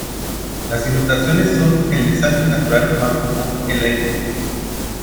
Las inundaciones son el desastre natural más común en la India.